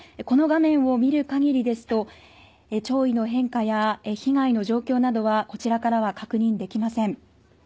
この画面を見る限りですと潮位の変化や被害の状況などはこちらからは確認できません。